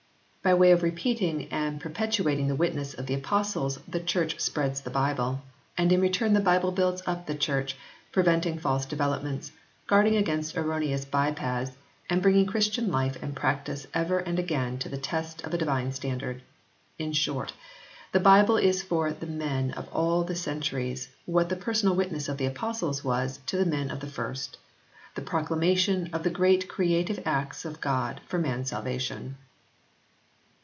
By way of repeating and perpetuating the witness of the Apostles the Church spreads the Bible, and in return the Bible builds up the Church, presenting false developments, guarding against erroneous bye paths, and bringing Christian life and practice ever and again to the test of a divine standard. In short, the Bible is for the men of all the centuries what the personal witness of the Apostles was to the men of the first the proclamation of the great creative acts of God for man s salvation.